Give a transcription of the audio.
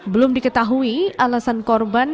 belum diketahui alasan korban